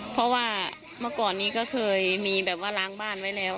เพราะว่าเมื่อก่อนนี้ก็เคยมีแบบว่าล้างบ้านไว้แล้ว